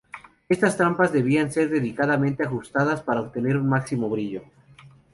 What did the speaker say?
Estas trampas debían ser delicadamente ajustadas para obtener un máximo brillo.